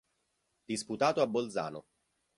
Disputato a Bolzano.